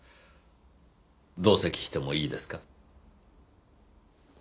同席してもいいですか？